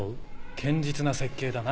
堅実な設計だな。